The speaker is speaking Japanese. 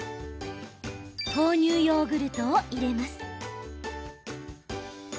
豆乳ヨーグルトを入れます。